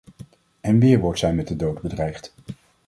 En weer wordt zij met de dood bedreigd.